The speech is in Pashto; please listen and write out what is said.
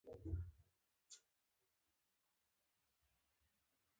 پښتو متل: زوی هغه وخت وهه چې خر لېوانو خوړلی نه وي.